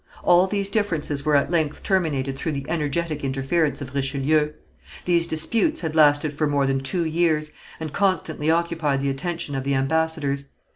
All these differences were at length terminated through the energetic interference of Richelieu. These disputes had lasted for more than two years, and constantly occupied the attention of the ambassadors.